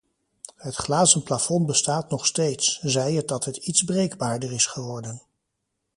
Het glazen plafond bestaat nog steeds, zij het dat het iets breekbaarder is geworden.